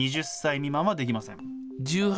２０歳未満はできません。